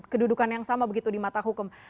kedudukan yang sama begitu di mata hukum